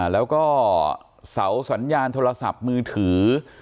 แล้วก็เสาสัญญาณโทรศัพท์มือถือ